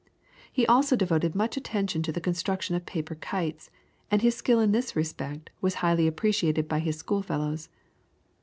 He also devoted much attention to the construction of paper kites, and his skill in this respect was highly appreciated by his school fellows.